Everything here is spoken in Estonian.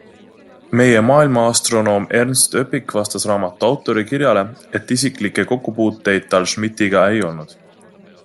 Meie maailmaastronoom Ernst Öpik vastas raamatu autori kirjale, et isiklikke kokkupuuteid tal Schmidtiga ei olnud.